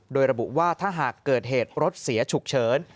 โดยระบุว่าถ้าหากเกิดเหตุรถเสียฉุกเฉิน